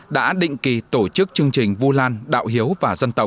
đã định kỳ tổ chức chương trình vu lan đạo hiếu và dân tộc